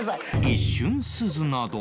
一瞬すずなど